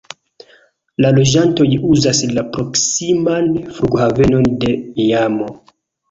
La loĝantoj uzas la proksiman flughavenon de Miamo.